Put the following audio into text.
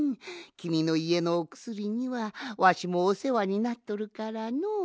きみのいえのおくすりにはわしもおせわになっとるからのう。